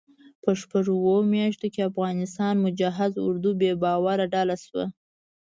په شپږو اوو میاشتو کې افغانستان مجهز اردو بې باوره ډله شوه.